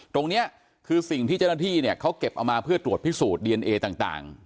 ตรงนี้คือสิ่งที่เจ้าหน้าที่เนี่ยเขาเก็บเอามาเพื่อตรวจพิสูจน์ดีเอนเอต่าง